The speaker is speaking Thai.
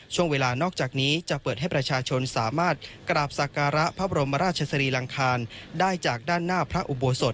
ช่วงเวลานอกจากนี้จะเปิดให้ประชาชนสามารถกราบสักการะพระบรมราชสรีรังคารได้จากด้านหน้าพระอุโบสถ